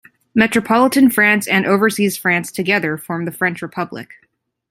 Metropolitan France and Overseas France together form the French Republic.